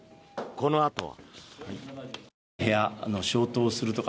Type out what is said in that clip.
このあとは。